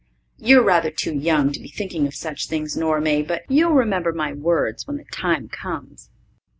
You're rather too young to be thinking of such things, Nora May, but you'll remember my words when the time comes.